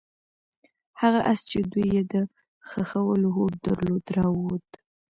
هغه آس چې دوی یې د ښخولو هوډ درلود راووت.